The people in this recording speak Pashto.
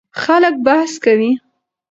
خلک بحث کوي.